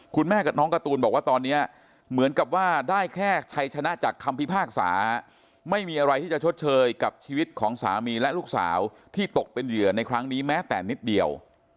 กับน้องการ์ตูนบอกว่าตอนนี้เหมือนกับว่าได้แค่ชัยชนะจากคำพิพากษาไม่มีอะไรที่จะชดเชยกับชีวิตของสามีและลูกสาวที่ตกเป็นเหยื่อในครั้งนี้แม้แต่นิดเดียว